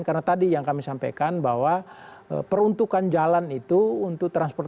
karena tadi yang kami sampaikan bahwa peruntukan jalan itu untuk transportasi